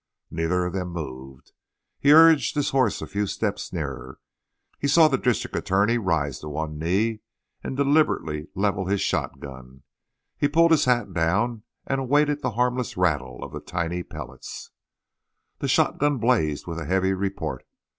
Neither of them moved. He urged his horse a few steps nearer. He saw the district attorney rise to one knee and deliberately level his shotgun. He pulled his hat down and awaited the harmless rattle of the tiny pellets. The shotgun blazed with a heavy report.